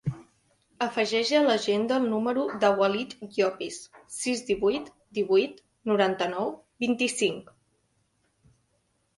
Afegeix a l'agenda el número del Walid Llopis: sis, divuit, divuit, noranta-nou, vint-i-cinc.